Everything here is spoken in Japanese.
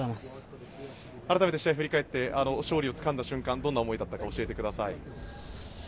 改めて試合を振り返って勝利をつかんだ瞬間どんな思いだったか教えてください。